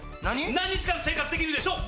何日間生活できるでしょう？